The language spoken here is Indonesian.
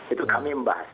itu kami membahas